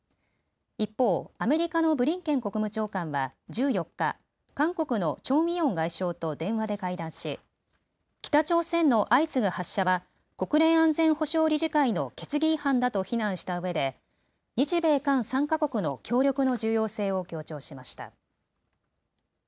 一方、アメリカのブリンケン国務長官は１４日、韓国のチョン・ウィヨン外相と電話で会談し北朝鮮の相次ぐ発射は国連安全保障理事会の決議違反だと非難したうえで日米韓３か国の協力の重要性を強調しました。